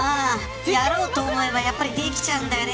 やろうと思えばできちゃうんだよね。